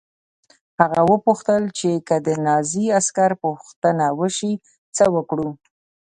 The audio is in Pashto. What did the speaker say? هغه وپوښتل چې که د نازي عسکر پوښتنه وشي څه وکړو